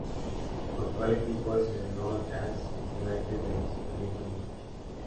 Su actual equipo es el NorthEast United de la Superliga de India.